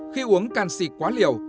khi uống canxi quá liều